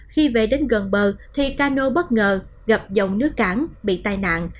khi về đến gần bờ thì ca nô bất ngờ gặp dòng nước cản bị tai nạn